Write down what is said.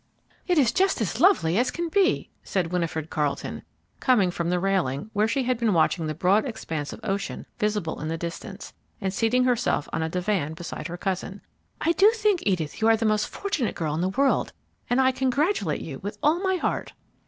"It is just as lovely as it can be!" said Winifred Carleton, coming from the railing, where she had been watching the broad expanse of ocean visible in the distance, and seating herself on a divan beside her cousin. "I do think, Edith, you are the most fortunate girl in the world, and I congratulate you with all my heart."